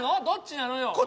どっちなのよ